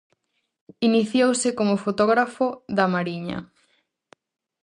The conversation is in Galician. Iniciouse como fotógrafo da Mariña.